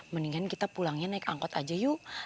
mendingan kita pulangnya naik angkot aja yuk